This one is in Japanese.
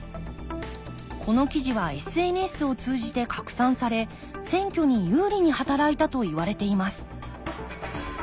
この記事はＳＮＳを通じて拡散され選挙に有利に働いたといわれています